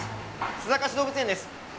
須坂市動物園です。